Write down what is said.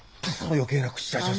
余計な口出しは。